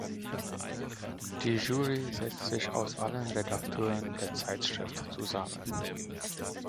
Die Jury setzt sich aus allen Redakteuren der Zeitschrift zusammen.